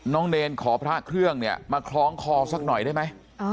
เนรขอพระเครื่องเนี่ยมาคล้องคอสักหน่อยได้ไหม